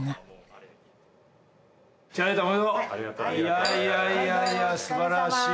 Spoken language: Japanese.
ここでいやいやいや素晴らしい。